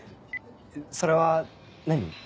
それは何？